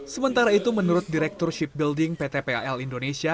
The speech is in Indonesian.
sementara itu menurut direktur shipbuilding pt pal indonesia